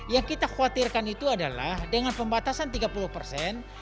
yang kita khawatirkan itu adalah dengan pembatasan tiga puluh persen